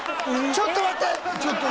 ちょっと待って！